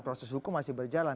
proses hukum masih berjalan